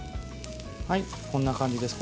こんな感じです。